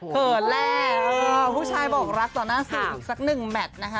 เขินแล้วผู้ชายบอกรักต่อหน้าสื่ออีกสักหนึ่งแมทนะคะ